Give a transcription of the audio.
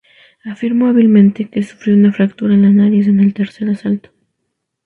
Afirmó hábilmente que sufrió una fractura en la nariz en el tercer asalto.